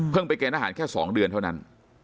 ไปเกณฑ์อาหารแค่๒เดือนเท่านั้น